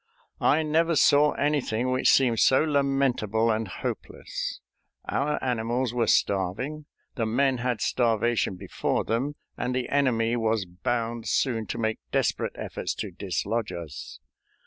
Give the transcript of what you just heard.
I never saw anything which seemed so lamentable and hopeless. Our animals were starving, the men had starvation before them, and the enemy was bound soon to make desperate efforts to dislodge us.